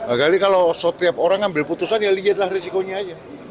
agar ini kalau setiap orang ngambil putusan ya lihatlah risikonya aja